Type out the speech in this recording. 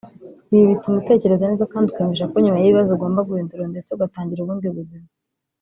Ibi bituma utekereza neza kandi ukiyumvisha ko nyuma y’ibibazo ugomba guhindura ndetse ugatangira ubundi buzima